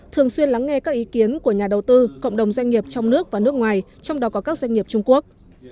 thường xuyên lắng nghe các ý kiến của nhà đầu tư cộng đồng doanh nghiệp trong nước và nước ngoài trong đó có các doanh nghiệp trung quốc